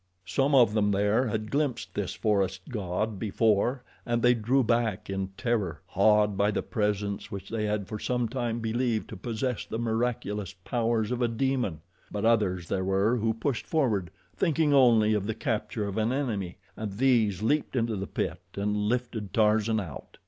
Some of them there had glimpsed this forest god before and they drew back in terror, awed by the presence which they had for some time believed to possess the miraculous powers of a demon; but others there were who pushed forward, thinking only of the capture of an enemy, and these leaped into the pit and lifted Tarzan out.